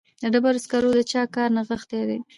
په ډبرو سکرو کې د چا کار نغښتی دی